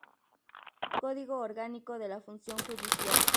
Código Orgánico de la Función Judicial.